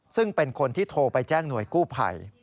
ซึ่งเป็นคนที่โทรไปแจ้งหน่วยกู้ภัย